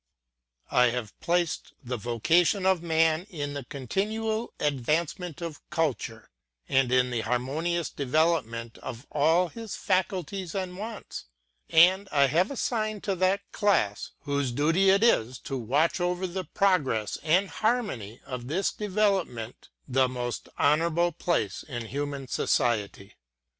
I have placed the vocation of Man in the continual advancement of culture, and in the harmonious development* of all his faculties and wants j and I have assigned to that class, whose duty it 'is to watch over the progress and harmony of this development; a most honourable place in human society.